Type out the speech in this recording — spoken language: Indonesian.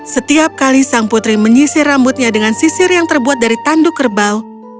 setiap kali sang putri menyisir rambutnya dengan sisir yang terbuat dari tanduk kerbau